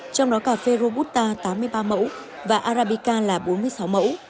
trong đó cà phê robusta tám mươi ba mẫu và arabica là bốn mươi sáu mẫu